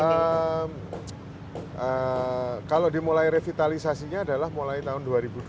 jadi memang kalau dimulai revitalisasinya adalah mulai tahun dua ribu dua